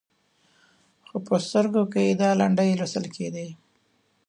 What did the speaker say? خو په سترګو کې یې دا لنډۍ لوستل کېدې.